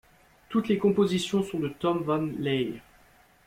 Toutes les compositions sont de Tom Van Laere.